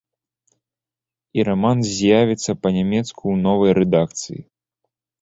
І раман з'явіцца па-нямецку ў новай рэдакцыі.